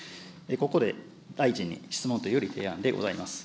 ここで大臣に質問というより提案でございます。